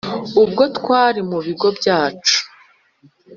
ubwo twari mubigo byacu